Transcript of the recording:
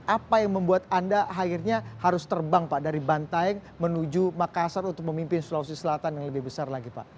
apa yang membuat anda akhirnya harus terbang pak dari bantaeng menuju makassar untuk memimpin sulawesi selatan yang lebih besar lagi pak